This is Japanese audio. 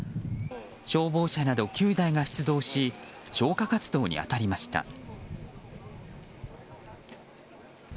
消防車など９台が出動し消火活動に当たりました。